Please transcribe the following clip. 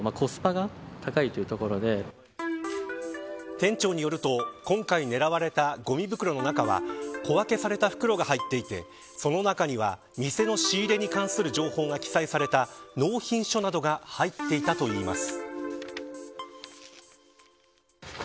店長によると今回狙われたごみ袋の中は小分けされた袋が入っていてその中には店の仕入れに関する情報が記載された納品書などが入っていたといいます。